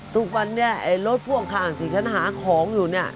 ทุกวันนี้ไอ้รถพ่วงข้างที่ฉันหาของอยู่เนี่ย